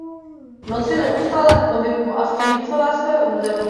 V noci je neustále v pohybu a střeží celé své území.